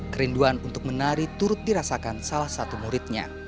kerinduan untuk menari turut dirasakan salah satu muridnya